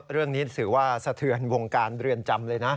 เรื่องนี้ถือว่าสะเทือนวงการเรือนจำเลยนะ